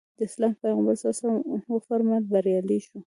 د اسلام پیغمبر ص وفرمایل بریالی شو.